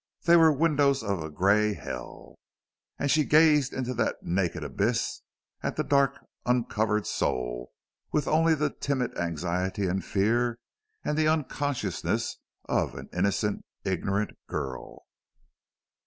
They were windows of a gray hell. And she gazed into that naked abyss, at that dark, uncovered soul, with only the timid anxiety and fear and the unconsciousness of an innocent, ignorant girl.